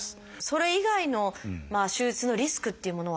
それ以外の手術のリスクっていうものはありますか？